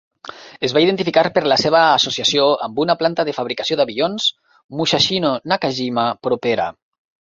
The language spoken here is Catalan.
Es va identificar per la seva associació amb una planta de fabricació d'avions Musashino-Nakajima propera.